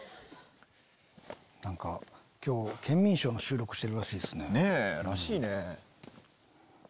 何か今日『ケンミンＳＨＯＷ』の収録してるらしいっすね。らしいね。